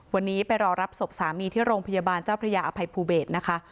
วันนี้ไปรอรับศพสามีที่โรงพยาบาลเจ้าพระยาอภัยภูเบศนะคะ